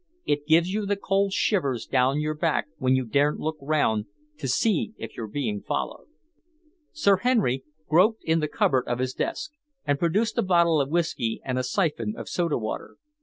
It gives you the cold shivers down your back when you daren't look round to see if you're being followed." Sir Henry groped in the cupboard of his desk, and produced a bottle of whisky and a syphon of soda water.